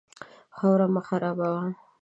خاوره مه خرابوه.